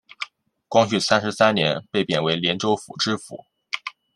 光绪三十三年被贬为廉州府知府。